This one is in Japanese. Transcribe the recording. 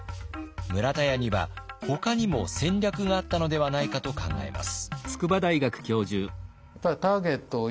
村田屋にはほかにも戦略があったのではないかと考えます。